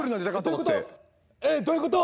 どういうこと？